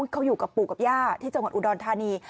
เขาอยู่กับปู่กับย่าที่จังหวัดอุดรธานี